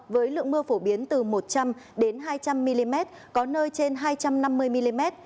với lượng mưa phổ biến từ một trăm linh hai trăm linh mm có nơi trên hai trăm năm mươi mm